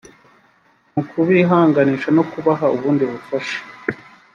mu kubihanganisha no kubaha ubundi bufasha